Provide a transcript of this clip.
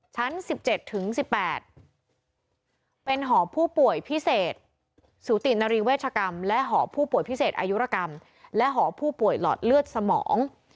ชั้น๑๗ถึง๑๘เป็นหอผู้ป่วยพิเศษสูตินรีเวชกรรมและหอผู้ป่วยพิเศษอายุรกรรมและหอผู้ป่วยหลอดเลือดสมอง